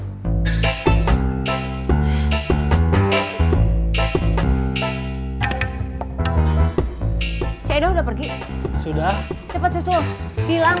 maksud akang kamu kasih ke cee edo buat digoreng